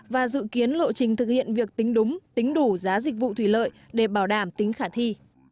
và dự kiến lộ trình thực hiện việc tính đúng tính đủ giá dịch vụ thủy lợi để bảo đảm tính khả thi